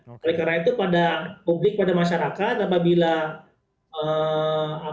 oleh karena itu pada publik pada masyarakat apabila bisa menurut saya